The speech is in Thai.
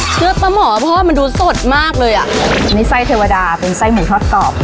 เสื้อป้าหมอพ่อมันดูสดมากเลยอ่ะนี่ไส้เทวดาเป็นไส้หมูทอดกรอบ